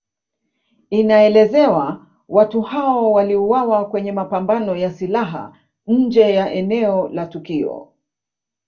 Inaelezwa wote hao waliuawa kwenye mapambano ya silaha nje ya eneo la tukio